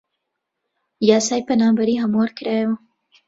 یاسای پەنابەری هەموار کرایەوە